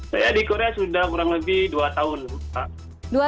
saya di korea sudah kurang lebih dua tahun